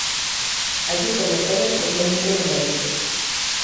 Aquí temos zonas que son unha marabilla.